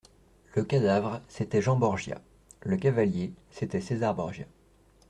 Le cadavre, c’était Jean Borgia ; le cavalier, c’était César Borgia.